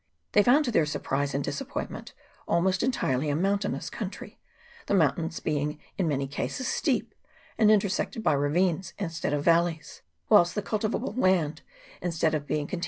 They found to their surprise and disappointment almost entirely a moun tainous country, the mountains being in many cases steep and intersected by ravines instead of valleys ; whilst the cultivable land, instead of being conti CHAP.